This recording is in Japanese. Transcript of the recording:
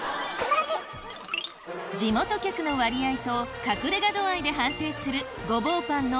地元客の割合と隠れ家度合いで判定するゴボウパンの